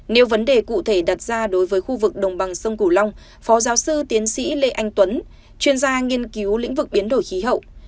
nếu vấn đề cụ thể đặt ra đối với khu vực đồng bằng sông cửu long phó giáo sư tiến sĩ lê anh tuấn chuyên gia nghiên cứu lĩnh vực biến đổi khí hậu